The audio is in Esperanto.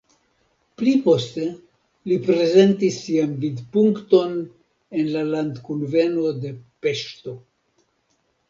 Pli poste li prezentis sian vidpunkton en la landkunveno de Peŝto.